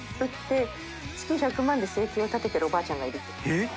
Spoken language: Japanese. えっ？